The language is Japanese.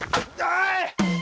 おい！